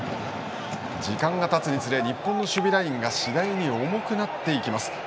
時間がたつにつれ日本の守備ラインが次第に重くなっていきます。